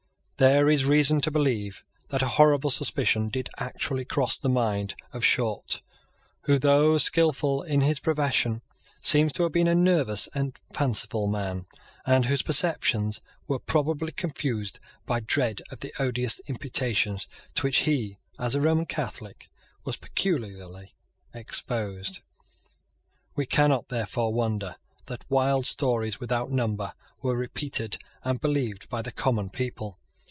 There is reason to believe that a horrible suspicion did actually cross the mind of Short, who, though skilful in his profession, seems to have been a nervous and fanciful man, and whose perceptions were probably confused by dread of the odious imputations to which he, as a Roman Catholic, was peculiarly exposed. We cannot, therefore, wonder that wild stories without number were repeated and believed by the common people.